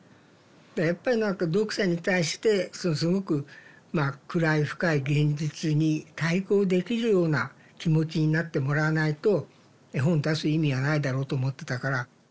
だからやっぱり何か読者に対してすごく暗い深い現実に対抗できるような気持ちになってもらわないと絵本出す意味はないだろうと思ってたから。